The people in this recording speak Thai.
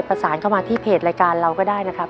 ประสานเข้ามาที่เพจรายการเราก็ได้นะครับ